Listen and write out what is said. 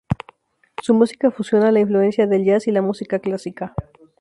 Su música fusiona la influencia del jazz y la música clásica.